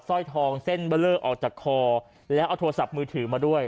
สร้อยทองเส้นเบอร์เลอร์ออกจากคอแล้วเอาโทรศัพท์มือถือมาด้วย